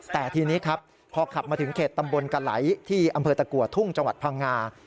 แต่ทีนี้ครับพอขับมาถึงเขตตำบลกะไหลที่อำเภอตะกัวทุ่งจังหวัดพังงา